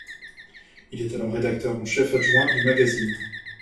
Il est alors rédacteur en chef adjoint du magazine.